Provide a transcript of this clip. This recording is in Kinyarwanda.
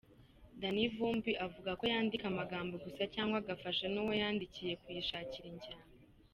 Danny Vumbi avuga ko yandika amagambo gusa cyangwa agafasha n’uwo yayandikiye kuyishakira injyana.